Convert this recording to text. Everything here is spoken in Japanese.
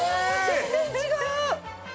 全然違う！